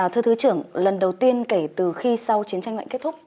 thưa thứ trưởng lần đầu tiên kể từ khi sau chiến tranh lạnh kết thúc